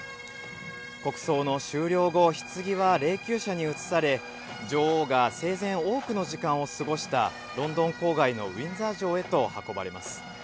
国葬の終了後、ひつぎは霊きゅう車に移され、女王が生前、多くの時間を過ごしたロンドン郊外のウィンザー城へと運ばれます。